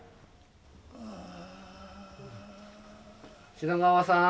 品川さん。